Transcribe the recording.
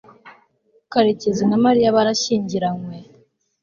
karekezi na mariya barashyingiranywe